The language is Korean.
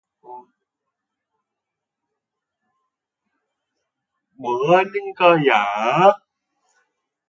뭐 하는 거야?